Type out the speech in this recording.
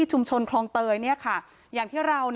ชุมชนแฟลต๓๐๐๐๐คนพบเชื้อ๓๐๐๐๐คนพบเชื้อ๓๐๐๐๐คน